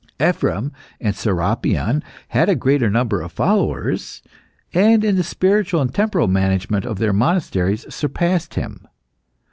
Ephrem and Serapion had a greater number of followers, and in the spiritual and temporal management of their monasteries surpassed him.